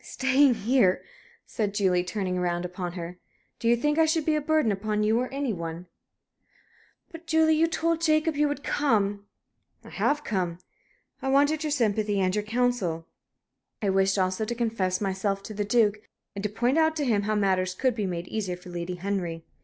"Staying here?" said Julie, turning round upon her. "Do you think I should be a burden upon you, or any one?" "But, Julie, you told Jacob you would come." "I have come. I wanted your sympathy, and your counsel. I wished also to confess myself to the Duke, and to point out to him how matters could be made easier for Lady Henry."